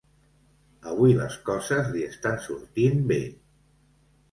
Avui les coses li estan sortint bé.